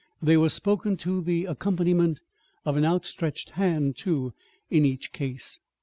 They were spoken to the accompaniment of an outstretched hand, too, in each case.